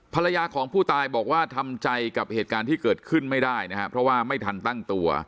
ภรรยาของผู้ตายบอกว่าทำใจกับเหตุการณ์ที่เกิดขึ้นไม่ได้นะครับเพราะว่าไม่ทันตั้งตัว